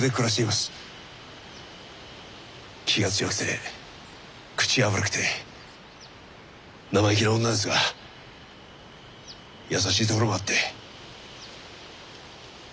気が強くて口が悪くて生意気な女ですが優しいところもあって。